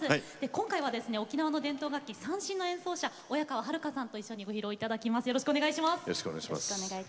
今回は、沖縄の伝統楽器三線の演奏者、親川遥さんとご披露いただきます。